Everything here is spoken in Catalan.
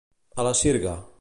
A la sirga.